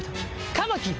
カマキリ。